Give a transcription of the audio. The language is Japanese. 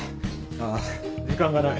ああ時間がない。